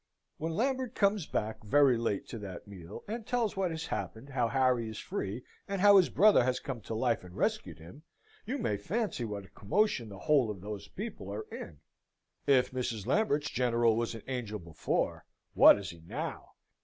When Lambert comes back very late to that meal, and tells what has happened, how Harry is free, and how his brother has come to life, and rescued him, you may fancy what a commotion the whole of those people are in! If Mrs. Lambert's General was an angel before, what is he now!